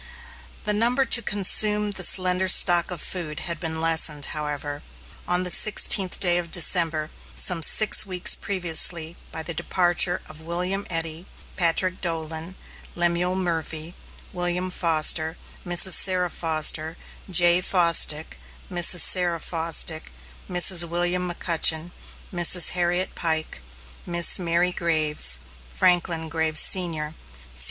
The number to consume the slender stock of food had been lessened, however, on the sixteenth of December, some six weeks previously, by the departure of William Eddy, Patrick Dolan, Lemuel Murphy, William Foster, Mrs. Sarah Foster, Jay Fosdick, Mrs. Sarah Fosdick, Mrs. William McCutchen, Mrs. Harriet Pike, Miss Mary Graves, Franklin Graves, Sr.